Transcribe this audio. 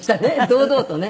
堂々とね。